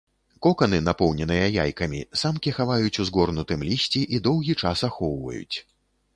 Коканы, напоўненыя яйкамі, самкі хаваюць у згорнутым лісці і доўгі час ахоўваюць.